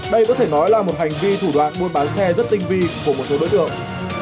đây có thể nói là một hành vi thủ đoạn buôn bán xe rất tinh vi của một số đối tượng